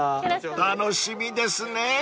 ［楽しみですね］